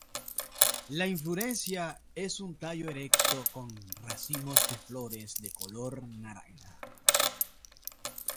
La inflorescencia en un tallo erecto con racimos de flores de color naranja.